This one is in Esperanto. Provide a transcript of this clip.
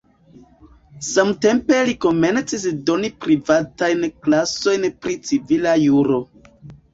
Samtempe li komencis doni privatajn klasojn pri civila juro.